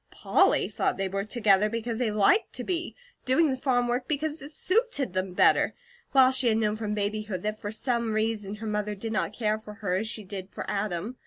Polly thought they were together because they liked to be; doing the farm work because it suited them better; while she had known from babyhood that for some reason her mother did not care for her as she did for Adam.